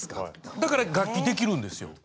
だから楽器できるんですよ。